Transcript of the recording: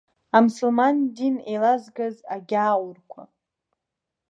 Амсылман дин еилазгаз агьааурқәа!